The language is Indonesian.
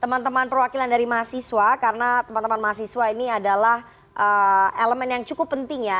teman teman perwakilan dari mahasiswa karena teman teman mahasiswa ini adalah elemen yang cukup penting ya